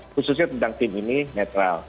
khususnya tentang tim ini netral